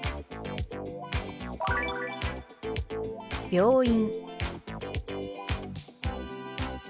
「病院」。